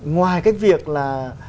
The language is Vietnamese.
ngoài cái việc là